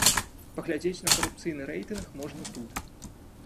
Паглядзець на карупцыйны рэйтынг можна тут.